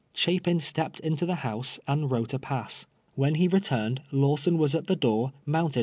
Chapin stepped into the house and wrote a pass. When he returned, Lawson was at the door, mounted LAWSOX AXD THE ^lULE.